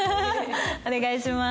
お願いします。